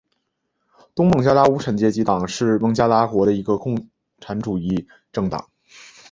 东孟加拉无产阶级党是孟加拉国的一个共产主义政党。